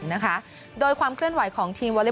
โดยความเคลื่อนไหวของทีมวอร์เวรี่บอลหญิงทีมชาติไทย